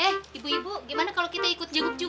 eh ibu ibu gimana kalo kita ikut jemput juga